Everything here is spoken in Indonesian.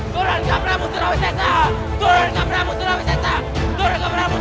kau tidak bisa mencari kursi ini